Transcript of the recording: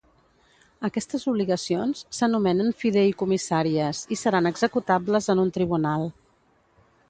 Aquestes obligacions s'anomenen fideïcomissàries i seran executables en un tribunal.